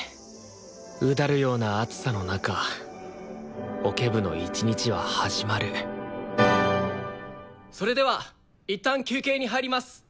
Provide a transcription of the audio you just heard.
うだるような暑さの中オケ部の一日は始まるそれではいったん休憩に入ります。